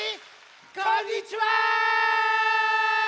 こんにちは！